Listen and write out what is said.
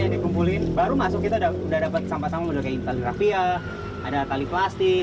yang dikumpulin baru masuk kita udah udah dapet sampah sampah kayak ini terakhir ada tali plastik